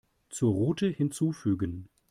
Zur Route hinzufügen.